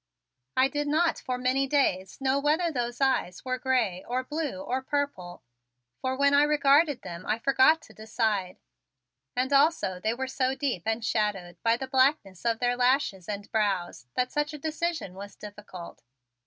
I did not for many days know whether those eyes were gray or blue or purple, for when I regarded them I forgot to decide, and also they were so deep and shadowed by the blackness of their lashes and brows that such a decision was difficult.